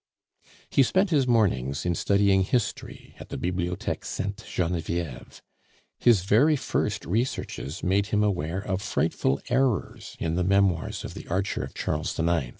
He spent his mornings in studying history at the Bibliotheque Sainte Genevieve. His very first researches made him aware of frightful errors in the memoirs of _The Archer of Charles IX.